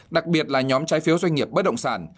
đặc biệt là nhóm trái phiếu doanh nghiệp bất động sản